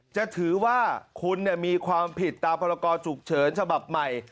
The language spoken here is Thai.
จะถือว่าคุณมีความผิดตามพรกรฉุกเฉินฉบับใหม่